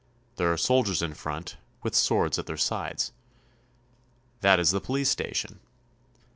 There are soldiers in front, with swords at their sides. That is 1 62 CHILE. the police station.